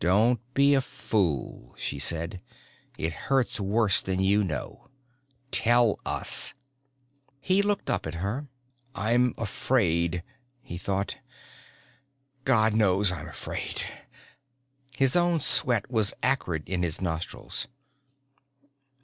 "Don't be a fool," she said. "It hurts worse than you know. Tell us." He looked up at her. I'm afraid, he thought. God knows I'm afraid. His own sweat was acrid in his nostrils.